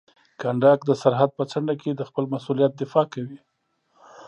کنډک د سرحد په څنډه کې د خپل مسؤلیت دفاع کوي.